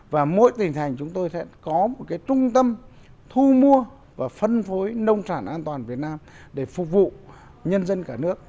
và mỗi tỉnh thành chúng tôi sẽ có một trung tâm thu mua và phân phối nông sản an toàn việt nam để phục vụ nhân dân cả nước